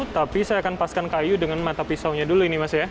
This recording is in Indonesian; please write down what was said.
tapi saya akan paskan kayu dengan mata pisaunya dulu ini mas ya